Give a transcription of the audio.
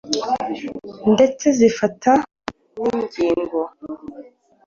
ndetse zifata n’ingingo,